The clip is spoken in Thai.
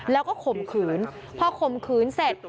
แล้วก็ข่มขืนพอข่มขืนเสร็จ